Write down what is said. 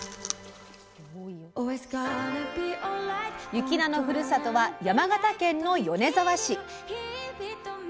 雪菜のふるさとは山形県の米沢市。